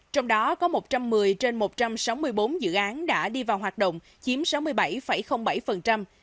trong đó có một trăm một mươi trên một trăm sáu mươi bốn dự án đã đi vào hoạt động chiếm sáu mươi bảy bảy